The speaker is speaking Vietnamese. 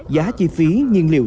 giá chi phí nhiên liệu